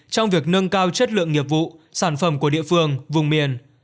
trong việc nâng cao chất lượng nghiệp vụ sản phẩm của địa phương vùng miền